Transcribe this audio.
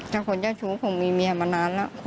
แต่คนเจ้าชู้ผมมีเมียมานานแล้ว